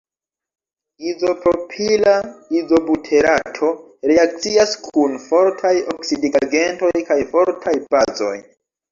Izopropila izobuterato reakcias kun fortaj oksidigagentoj kaj fortaj bazoj.